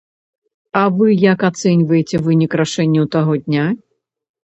А вы як ацэньваеце вынік рашэнняў таго дня?